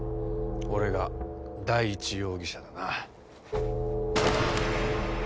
俺が第一容疑者だな。